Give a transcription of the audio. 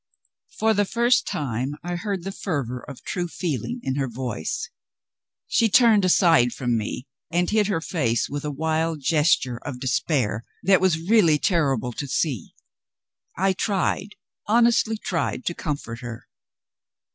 For the first time, I heard the fervor of true feeling in her voice. She turned aside from me, and hid her face with a wild gesture of despair that was really terrible to see. I tried, honestly tried, to comfort her.